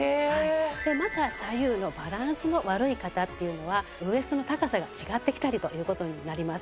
また左右のバランスの悪い方っていうのはウエストの高さが違ってきたりという事になります。